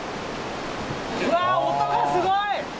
うわ音がすごい！